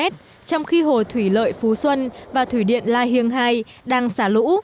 trong khi hồ thủy lợi phú xuân và thủy điện la hiêng hai đang xả lũ